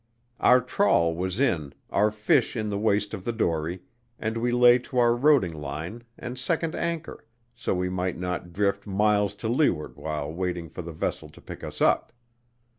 Our trawl was in, our fish in the waist of the dory, and we lay to our roding line and second anchor, so we might not drift miles to loo'ard while waiting for the vessel to pick us up.